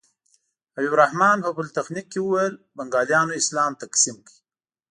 حبیب الرحمن په پولتخنیک کې وویل بنګالیانو اسلام تقسیم کړ.